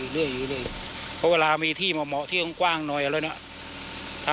เพราะเวลามีที่มาม็องที่ก่อนแน่น้อยเลยนะ